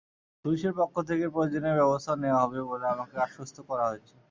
পুলিশের পক্ষ থেকে প্রয়োজনীয় ব্যবস্থা নেওয়া হবে বলে আমাকে আশ্বস্ত করা হয়েছে।